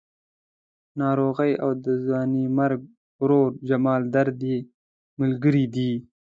ناروغي او د ځوانې مرګ ورور جمال درد یې ملګري دي.